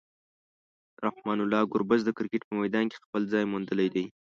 رحمان الله ګربز د کرکټ په میدان کې خپل ځای موندلی دی.